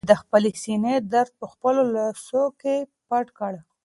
هیلې د خپلې سېنې درد په خپلو لاسو کې پټ کړ.